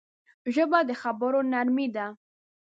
ژبه د خبرو نرمي ده